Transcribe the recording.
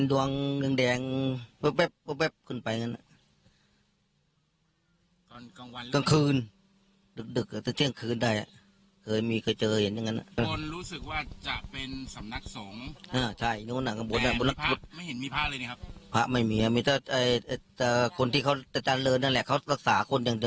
รักษาคนเดียวเขารักษาเนี่ยเราเคยขึ้นไปให้เขารักษา